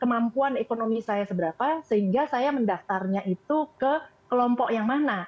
kemampuan ekonomi saya seberapa sehingga saya mendaftarnya itu ke kelompok yang mana